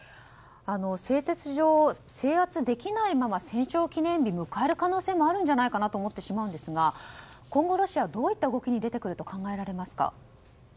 製鉄所、制圧できないまま戦勝記念日を迎える可能性もあるんじゃないかなと思ってしまうんですが今後、ロシアはどういった動きに出てくると考えられますか。